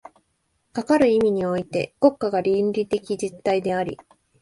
かかる意味において国家が倫理的実体であり、